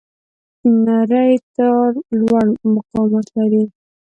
نری تار لوړ مقاومت لري.